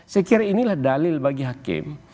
saya kira inilah dalil bagi hakim